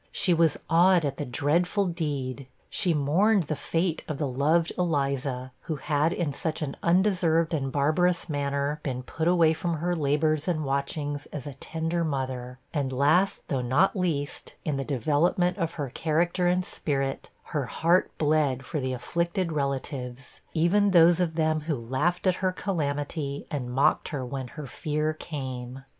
She was awed at the dreadful deed; she mourned the fate of the loved Eliza, who had in such an undeserved and barbarous manner been put away from her labors and watchings as a tender mother; and, 'last though not least,' in the development of her character and spirit, her heart bled for the afflicted relatives; even those of them who 'laughed at her calamity, and mocked when her fear came.'